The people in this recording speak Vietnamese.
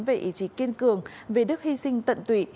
về ý chí kiên cường về đức hy sinh tận tụy